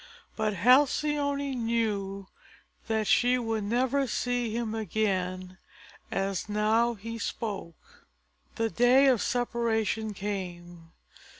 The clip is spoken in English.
But Halcyone knew that she should never see him again as now he spoke. The day of separation came.